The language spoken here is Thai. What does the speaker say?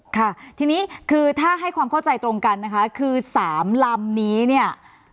ค่ะทีนี้คือถ้าให้ความเข้าใจตรงกันนะคะคือ๓ลำนี้เนี่ย